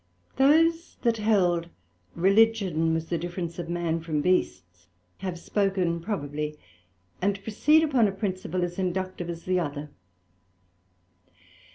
Those that held was the difference of Man from Beasts, have spoken probably, and proceed upon a principle as inductive as the other.